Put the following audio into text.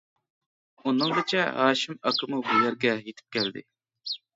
ئۇنىڭغىچە ھاشىم ئاكىمۇ بۇ يەرگە يېتىپ كەلدى.